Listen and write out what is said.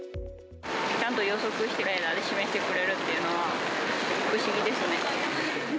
ちゃんと予測してくれて、レーダーで示してくれるというのは不思議ですね。